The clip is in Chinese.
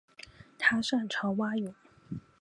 他擅长蛙泳。